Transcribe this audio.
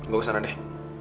gue kesana deh